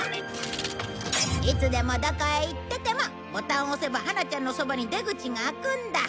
いつでもどこへ行っててもボタンを押せばハナちゃんのそばに出口が開くんだ。